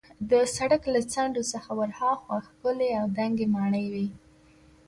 د سړک له څنډو څخه ورهاخوا ښکلې او دنګې ماڼۍ وې.